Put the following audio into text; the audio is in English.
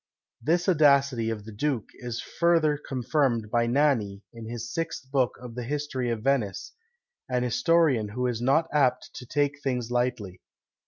This audacity of the duke is further confirmed by Nani, in his sixth book of the History of Venice; an historian who is not apt to take things lightly.